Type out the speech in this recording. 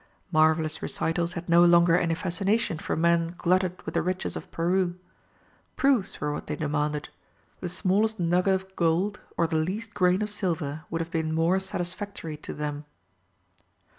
Marvellous recitals had no longer any fascination for men glutted with the riches of Peru. Proofs were what they demanded; the smallest nugget of gold, or the least grain of silver would have been more satisfactory to them.